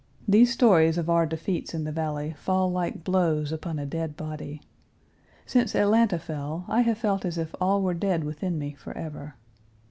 These stories of our defeats in the valley fall like blows upon a dead body. Since Atlanta fell I have felt as if all were dead within me forever.